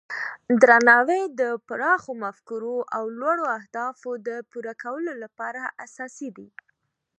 درناوی د پراخو مفکورو او لوړو اهدافو د پوره کولو لپاره اساسي دی.